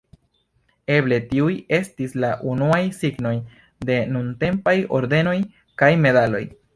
Eble tiuj estis la unuaj signoj de nuntempaj ordenoj kaj medaloj.